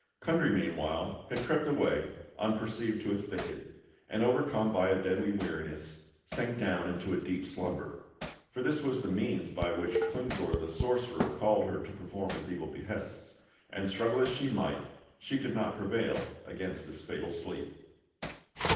Kundry, meanwhile, had crept away unperceived to a thicket, and, overcome by a deadly weariness, sank down into a deep slumber; for this was the means by which Klingsor the sorcerer called her to perform his evil behests, and struggle as she might, she could not prevail against this fatal sleep.